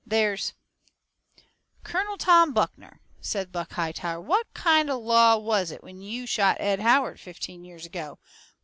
There's " "Colonel Tom Buckner," says Buck Hightower, "what kind of law was it when you shot Ed Howard fifteen years ago?